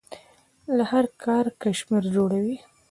له هر کار کشمیر جوړوي.